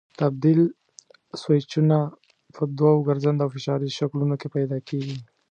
تبدیل سویچونه په دوو ګرځنده او فشاري شکلونو کې پیدا کېږي.